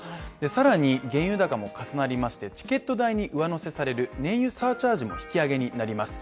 さらに、原油高も重なりましてチケット代に上乗せされる燃油サーチャージも引き上げになります